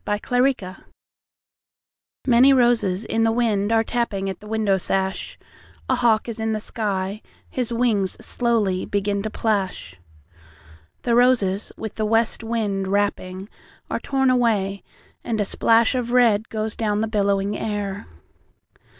Love Storm MANY roses in the windAre tapping at the window sash.A hawk is in the sky; his wingsSlowly begin to plash. The roses with the west wind rappingAre torn away, and a splashOf red goes down the billowing air.